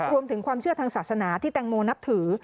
รวมถึงความเชื่อทางศาสนาที่แตงโมนับถือ